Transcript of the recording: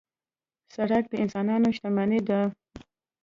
سړک د انسانانو شتمني ده.